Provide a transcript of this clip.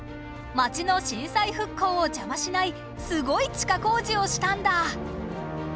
街の震災復興を邪魔しないすごい地下工事をしたんだ！